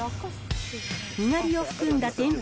にがりを含んだ天日